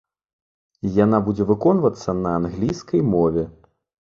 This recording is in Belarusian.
Яна будзе выконвацца на англійскай мове.